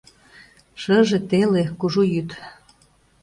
Шыже, теле кужу йӱд.